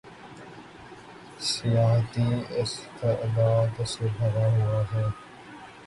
سیاحتی استعداد سے بھرا ہوا ہے